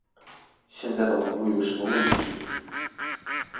現在的網路有什麼問題